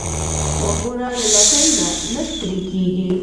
غوږونه له لټۍ نه نه ستړي کېږي